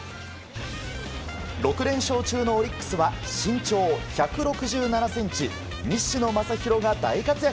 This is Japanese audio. ６連勝中のオリックスは、身長１６７センチ、西野真弘が大活躍。